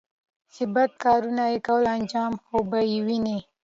چې بد کارونه يې کول انجام خو به یې ویني